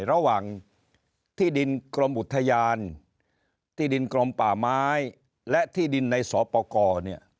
ระหว่างที่ดินกรมอุทยานที่ดินกรมป่าไม้และที่ดินในสปกรเนี่ย